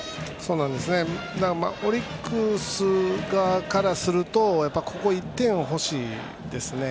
オリックス側からするとここは１点は欲しいですね。